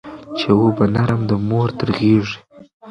چي وو به نرم د مور تر غېږي